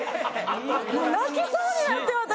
もう泣きそうになって私。